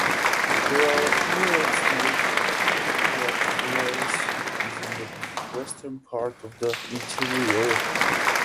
There are a pair of small craterlets in the western part of the interior.